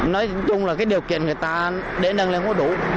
nói chung là cái điều kiện người ta để nâng lên nó đủ